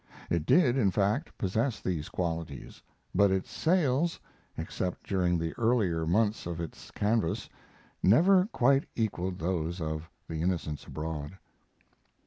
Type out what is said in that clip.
It did, in fact, possess these qualities, but its sales, except during the earlier months of its canvass, never quite equaled those of The Innocents Abroad.